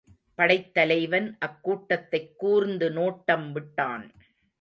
படைத்தலைவன் அக் கூட்டத்தைக் கூர்ந்து நோட்டம் விட்டான்.